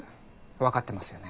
わかってますよね？